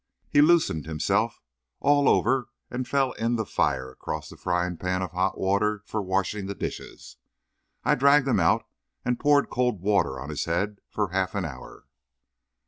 He loosened himself all over and fell in the fire across the frying pan of hot water for washing the dishes. I dragged him out and poured cold water on his head for half an hour.